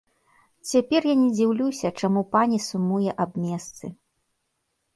Цяпер я не дзіўлюся, чаму пані сумуе аб месцы.